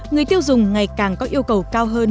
người tiêu dùng ngày càng có yêu cầu cao hơn